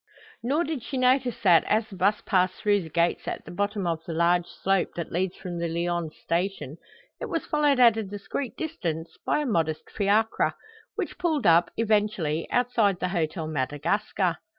Nor did she notice that, as the bus passed through the gates at the bottom of the large slope that leads from the Lyons Station, it was followed at a discreet distance by a modest fiacre, which pulled up, eventually, outside the Hôtel Madagascar.